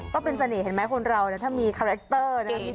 ก็เป็นเสน่ห์เห็นมั้ยคนเราเนี่ยถ้ามีคาแรกเตอร์เนี่ย